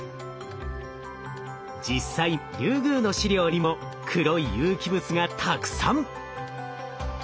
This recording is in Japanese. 実際リュウグウの試料にも黒い有機物がたくさん！